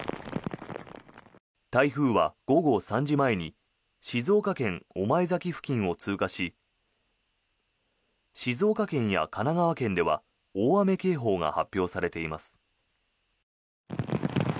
台風は午後３時前に静岡県御前崎市付近を通過し静岡県や神奈川県では大雨警報が発表されています。